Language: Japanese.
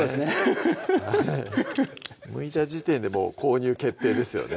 ハハハハむいた時点でもう購入決定ですよね